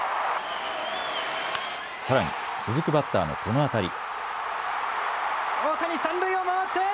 さらに続くバッターのこの当たり。